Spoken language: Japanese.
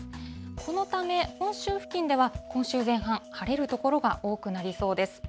このため、本州付近では今週前半、晴れる所が多くなりそうです。